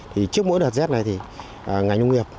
trước mỗi đợt z này thì ngành nông nghiệp